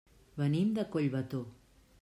Venim de Collbató.